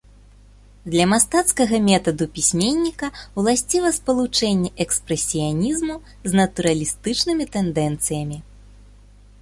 Для мастацкага метаду пісьменніка ўласціва спалучэнне экспрэсіянізму з натуралістычнымі тэндэнцыямі.